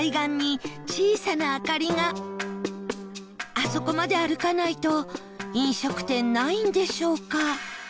あそこまで歩かないと飲食店ないんでしょうか？